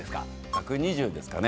１２０ですかね。